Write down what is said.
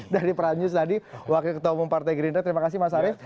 dari pranyus tadi wakil ketua umum partai gerindra terima kasih mas arief